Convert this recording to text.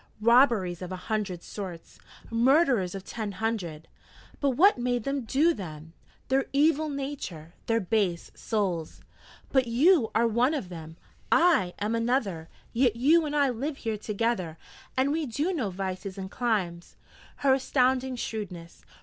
'Robberies of a hundred sorts, murders of ten hundred ' 'But what made them do them?' 'Their evil nature their base souls.' 'But you are one of them, I am another: yet you and I live here together, and we do no vices and climes.' Her astounding shrewdness!